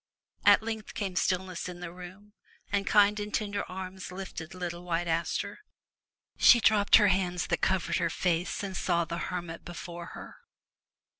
At length came stillness in the room, and kind and tender arms lifted little White Aster. She dropped her hands that covered her face and saw the hermit before her.